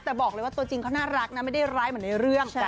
แต่บอกเลยว่าตัวจริงเขาน่ารักนะไม่ได้ร้ายเหมือนในเรื่อง